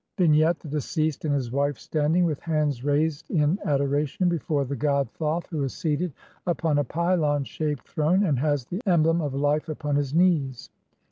] Vignette: The deceased and his wife standing, with hands raised in adoration, before the god Thoth, who is seated upon a pylon shaped throne, and has the emblem of "life" upon his knees.